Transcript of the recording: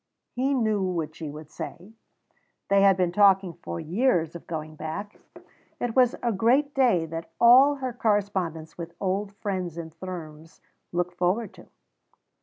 He knew what she would say. They had been talking for years of going back; it was the great day that all her correspondence with old friends in Thrums looked forward to.